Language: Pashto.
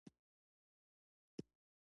د صداقت او ازادیو تلقین دی.